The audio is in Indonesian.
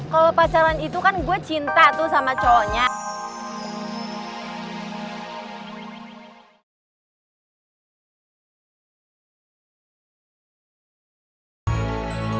kalau pacaran itu kan gue cinta tuh sama cowoknya